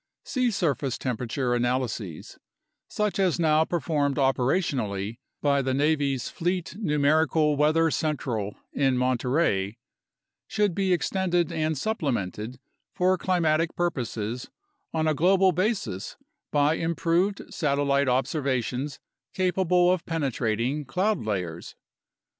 Sea surface temperature analyses, such as now per formed operationally by the Navy's Fleet Numerical Weather Central in Monterey, should be extended and supplemented for climatic pur poses on a global basis by improved satellite observations capable of penetrating cloud layers.